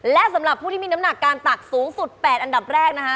และสำหรับผู้ที่มีน้ำหนักการตักสูงสุด๘อันดับแรกนะคะ